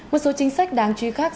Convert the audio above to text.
một số chính sách đáng chú ý khác